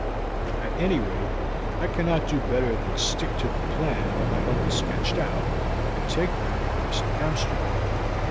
At any rate, I cannot do better than stick to the plan that my uncle sketched out, and take them across to Amsterdam.